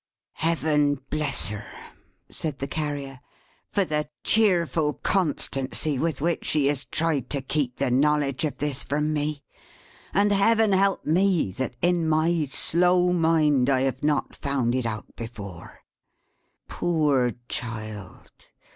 "Heaven bless her!" said the Carrier, "for the cheerful constancy with which she has tried to keep the knowledge of this from me! And Heaven help me, that, in my slow mind, I have not found it out before! Poor child!